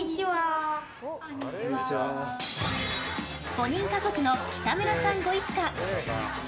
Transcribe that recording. ５人家族の北村さんご一家。